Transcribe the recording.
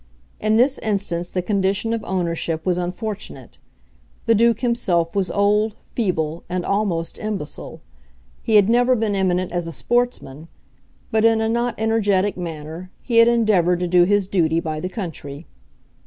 In this instance the condition of ownership was unfortunate. The Duke himself was old, feeble, and almost imbecile. He had never been eminent as a sportsman; but, in a not energetic manner, he had endeavoured to do his duty by the country.